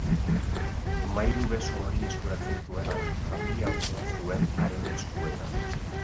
Mairu-beso hori eskuratzen zuenak familia osoa zuen haren eskuetan.